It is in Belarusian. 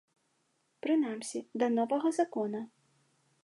Прынамсі, да новага закона.